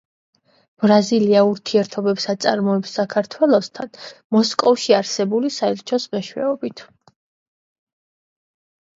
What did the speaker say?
ბრაზილია ურთიერთობებს აწარმოებს საქართველოსთან მოსკოვში არსებული საელჩოს მეშვეობით.